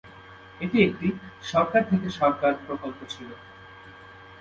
এটি একটি সরকার-থেকে-সরকার প্রকল্প ছিল।